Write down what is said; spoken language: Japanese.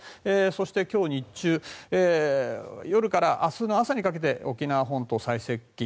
そして今日、日中夜から明日の朝にかけて沖縄本島、最接近。